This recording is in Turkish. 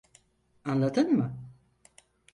Anladın mı?